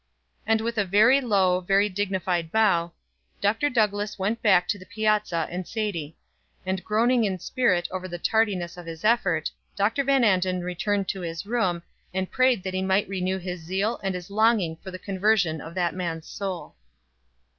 And with a very low, very dignified bow, Dr. Douglass went back to the piazza and Sadie. And groaning in spirit over the tardiness of his effort, Dr. Van Anden returned to his room, and prayed that he might renew his zeal and his longing for the conversion of that man's soul.